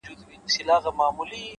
چي هغه زه له خياله وباسمه’